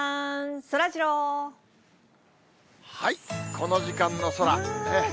この時間の空。